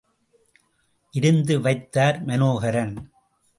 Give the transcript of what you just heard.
விருந்து வைத்தார் மனோகரன்.